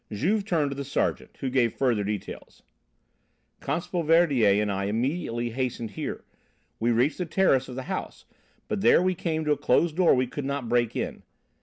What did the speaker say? '" Juve turned to the sergeant, who gave further details. "Constable Verdier and I immediately hastened here. We reached the terrace of the house, but there we came to a closed door we could not break in.